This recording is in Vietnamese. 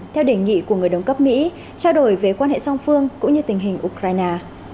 theo đề nghị của người đồng cấp mỹ trao đổi về quan hệ song phương cũng như tình hình ukraine